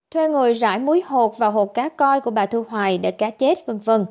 thuê người rải muối hột vào hột cá coi của bà thu hoài để cá chết v v